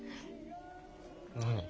何？